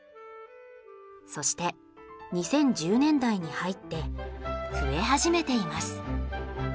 そして２０１０年代に入って増え始めています。